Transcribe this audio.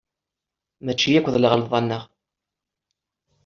Maci akk d lɣelḍa-nnek.